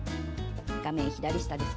画面左下です。